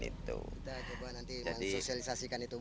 kita coba nanti mensosialisasikan itu